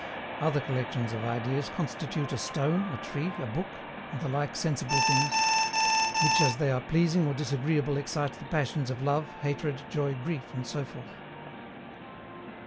Other collections of ideas constitute a stone, a tree, a book, and the like sensible things which as they are pleasing or disagreeable excite the passions of love, hatred, joy, grief, and so forth.